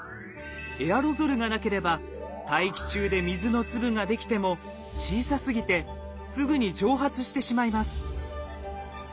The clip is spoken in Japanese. エアロゾルがなければ大気中で水の粒ができても小さすぎてすぐに蒸発してしまいます。